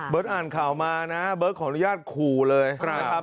บฏอ่านข่าวมานะบฏของประโยชน์ขูเลยครับ